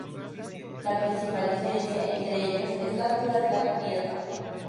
La principal diferencia entre ellos es la altura de la cubierta.